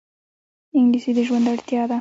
انګلیسي د ژوند اړتیا ده